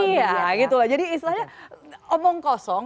iya gitu lah jadi istilahnya omong kosong